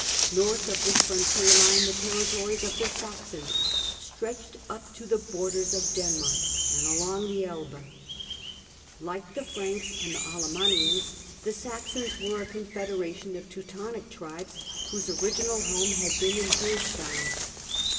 North of this frontier line the territories of the Saxons stretched up to the borders of Denmark and along the Elbe. Like the Franks and the Alemannians, the Saxons were a confederation of Teutonic tribes, whose original home had been in Holstein.